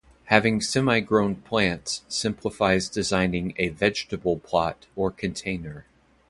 Having semi-grown plants simplifies designing a vegetable plot or container.